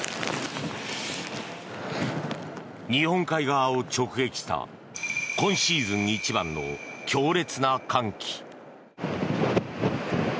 日本海側を直撃した今シーズン一番の強烈な寒気。